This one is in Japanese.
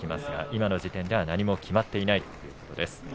今の時点では何も決まっていないということです。